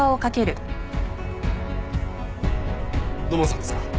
土門さんですか？